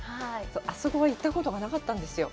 あそこは行ったことがなかったんですよ。